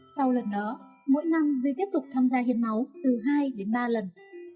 sau lần đó mỗi năm duy tiếp tục tham gia hiến máu từ hai đến ba lần